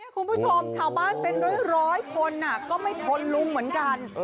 คุณผู้ชมชาวบ้านเป็นร้อยคนก็ไม่ทนลุงเหมือนกัน